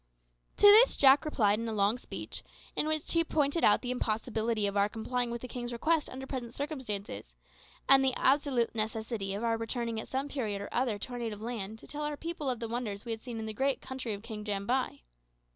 To this Jack replied in a long speech, in which he pointed out the impossibility of our complying with the king's request under present circumstances, and the absolute necessity of our returning at some period or other to our native land to tell our people of the wonders we had seen in the great country of King Jambai.